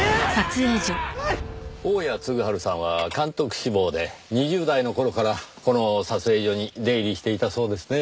大屋嗣治さんは監督志望で２０代の頃からこの撮影所に出入りしていたそうですね。